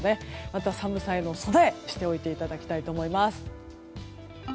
また寒さへの備えしておいていただきたいと思います。